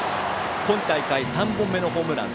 今大会３本目のホームラン。